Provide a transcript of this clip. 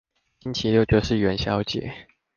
星期六就是元宵節